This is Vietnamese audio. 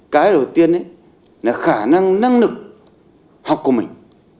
cái đầu tiên là khả năng năng lực học của mình